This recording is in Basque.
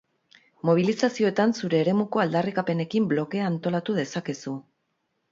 Mobilizazioetan zure eremuko aldarrikapenekin blokea antolatu dezakezu.